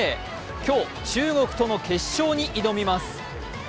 今日、中国との決勝に挑みます。